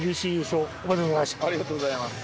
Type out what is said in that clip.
ありがとうございます。